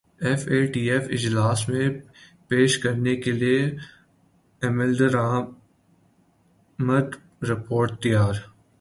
F A T F اجلاس میں پیش کرنے کیلئے عملدرامد رپورٹ تیار